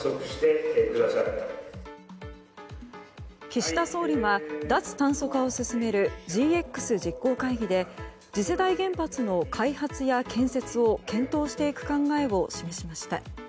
岸田総理は脱炭素化を進めるＧＸ実行会議で次世代原発の開発や建設を検討していく考えを示しました。